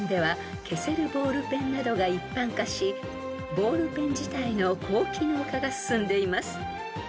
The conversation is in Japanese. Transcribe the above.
［ボールペン自体の高機能化が進んでいます］